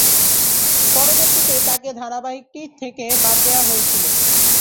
পরবর্তীতে তাকে ধারাবাহিকটি থেকে বাদ দেওয়া হয়েছিল।